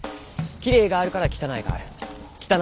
汚いがあるからきれいがある。